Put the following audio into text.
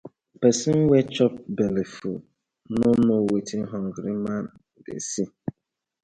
Person wey chop belle full, no know wetin hungry man dey see: